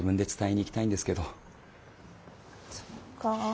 そっか。